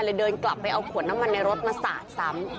เดินกลับไปเอาขวดน้ำมันในรถมาสาดซ้ำ